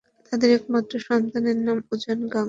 তাদের একমাত্র সন্তানের নাম উজান গাঙ্গুলি।